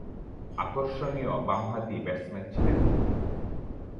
আকর্ষণীয় বামহাতি ব্যাটসম্যান ছিলেন।